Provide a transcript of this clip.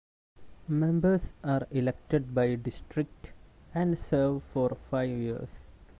Members are elected by district and serve for five years.